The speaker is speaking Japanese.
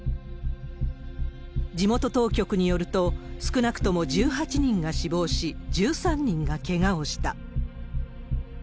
地元当局によると、少なくとも１８人が死亡し、１３人がけがをした。